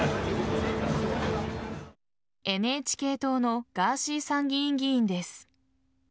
ＮＨＫ党のガーシー参議院議員です。